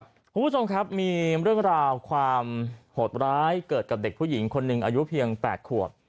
คุณผู้ชมครับมีเรื่องราวความโหดร้ายเกิดกับเด็กผู้หญิงคนหนึ่งอายุเพียง๘ขวบ